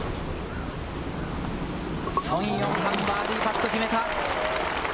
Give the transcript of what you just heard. ソン・ヨンハン、バーディーパットを決めた。